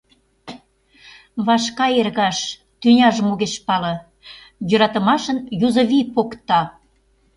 Вашка эргаш, тӱняжым огеш пале, Йӧратымашын юзо вий покта.